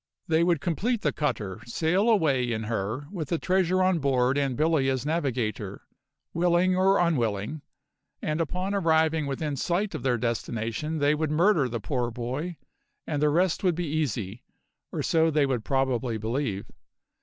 They would complete the cutter, sail away in her, with the treasure on board and Billy as navigator, willing or unwilling, and upon arriving within sight of their destination they would murder the poor boy; and the rest would be easy or so they would probably believe.